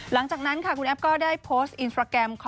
หลังจากนั้นค่ะคุณแอฟก็ได้โพสต์อีนสตราแกรมขอบคุณพี่เพื่อนนักข่าว